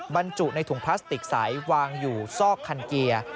บรรจุในถุงพลาสติกใสวางอยู่ซอกคันเกียร์